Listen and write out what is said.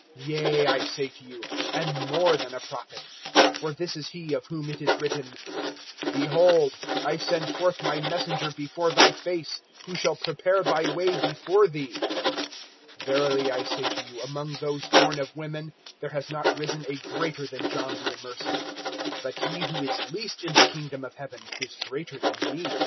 Yea, I say to you, and more than a prophet. (10)For this is he of whom it is written: Behold, I send forth my messenger before thy face, Who shall prepare thy way before thee. (11)Verily I say to you, among those born of women, there has not risen a greater than John the Immerser. But he who is least in the kingdom of heaven is greater than he.